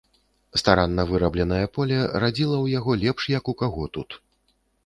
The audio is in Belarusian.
Старанна вырабленае поле радзіла ў яго лепш, як у каго тут.